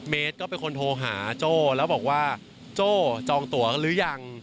ก็เป็นคนโทรหาโจ้แล้วบอกว่าโจ้จองตัวหรือยัง